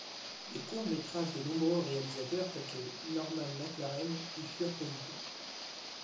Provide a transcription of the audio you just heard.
Les courts métrages de nombreux réalisateurs, tels que Norman McLaren, y furent présentés.